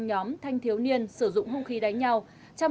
chủ đteokbokki nguỳ